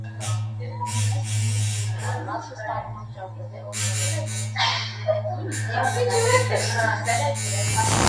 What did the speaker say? Գլիցերինի հիմնական մասը ստանում են ճարպերի օճառացումից։